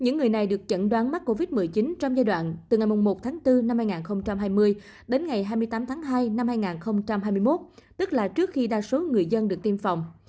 những người này được chẩn đoán mắc covid một mươi chín trong giai đoạn từ ngày một tháng bốn năm hai nghìn hai mươi đến ngày hai mươi tám tháng hai năm hai nghìn hai mươi một tức là trước khi đa số người dân được tiêm phòng